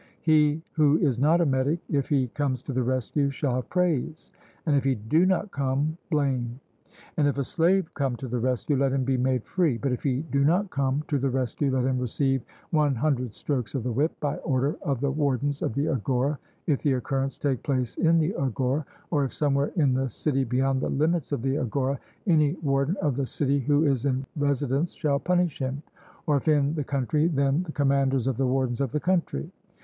He who is not a metic, if he comes to the rescue, shall have praise, and if he do not come, blame. And if a slave come to the rescue, let him be made free, but if he do not come to the rescue, let him receive 100 strokes of the whip, by order of the wardens of the agora, if the occurrence take place in the agora; or if somewhere in the city beyond the limits of the agora, any warden of the city who is in residence shall punish him; or if in the country, then the commanders of the wardens of the country.